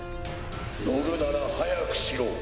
乗るなら早くしろ。